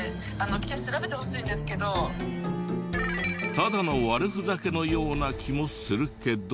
ただの悪ふざけのような気もするけど。